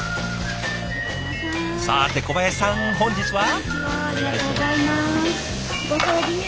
さて小林さん本日は？